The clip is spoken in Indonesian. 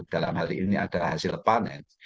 dalam hal ini ada hasil panen